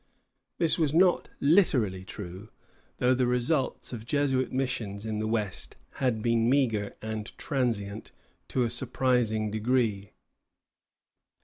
" This was not literally true, though the results of the Jesuit missions in the west had been meagre and transient to a surprising degree.